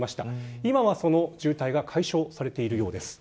今はその渋滞が解消されているようです。